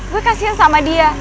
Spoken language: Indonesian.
gue kasihan sama dia